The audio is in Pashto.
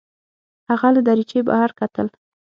هغه له دریچې بهر کتل.